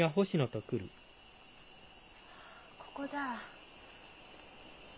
ここだ。